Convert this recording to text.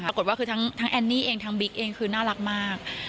ปรากฏว่าคือทั้งแอนนี่เองทั้งบิ๊กเองคือน่ารักมาก